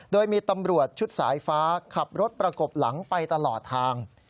โดยมีตำรวจชุดสายฟ้าขับรถประกบหลังไปตลอดทาง